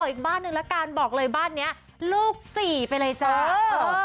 อีกบ้านหนึ่งละกันบอกเลยบ้านนี้ลูกสี่ไปเลยจ้า